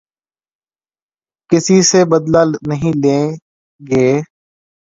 کسی سے بدلہ نہیں لیں گے مگر قانون اپنا راستہ لے گا، شہباز شریف